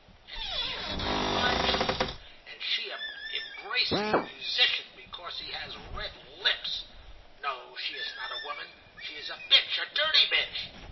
... And here my five children, and she embracing a musician because he has red lips! No, she is not a woman! She is a bitch, a dirty bitch!